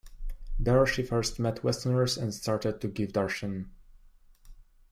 There she first met Westerners and started to give Darshan.